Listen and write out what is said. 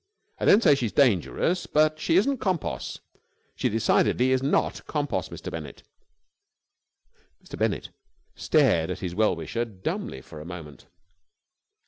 I don't say she's dangerous, but she isn't compos. She decidedly is not compos, Mr. Bennett!" Mr. Bennett stared at his well wisher dumbly for a moment.